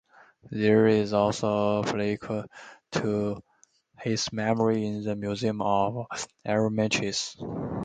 There is also a plaque to his memory in the museum at Arromanches.